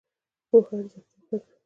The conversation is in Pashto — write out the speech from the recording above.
پوهه ارزښتناکه ده.